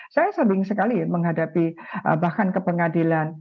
saya sering sekali menghadapi bahkan ke pengadilan